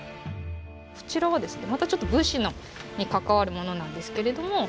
こちらはですねまたちょっと武士に関わるものなんですけれども。